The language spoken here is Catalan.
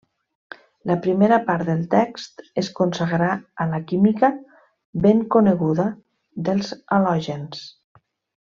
La primera part del text es consagrà a la química, ben coneguda, dels halògens.